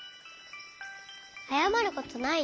あやまることないよ。